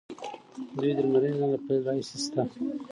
دوی د لمریز نظام له پیل راهیسې شته.